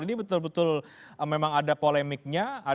ini betul betul memang ada polemiknya